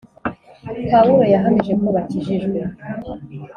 Pawulo yahamije ko bakijijwe.